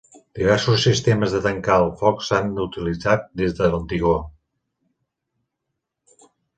Diversos sistemes de tancar el foc s'han utilitzat des de l'antigor.